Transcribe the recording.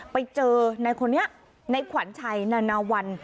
ไปเจอในคนนี้ในขวัญชัยนานาวัน